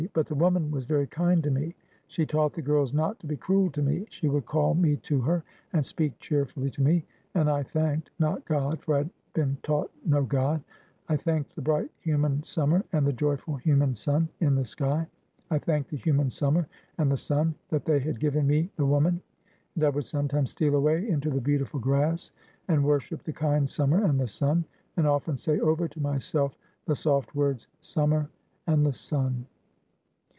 But the woman was very kind to me; she taught the girls not to be cruel to me; she would call me to her, and speak cheerfully to me, and I thanked not God, for I had been taught no God I thanked the bright human summer, and the joyful human sun in the sky; I thanked the human summer and the sun, that they had given me the woman; and I would sometimes steal away into the beautiful grass, and worship the kind summer and the sun; and often say over to myself the soft words, summer and the sun.